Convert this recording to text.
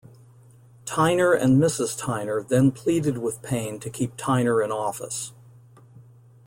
Tyner and Mrs. Tyner then pleaded with Payne to keep Tyner in office.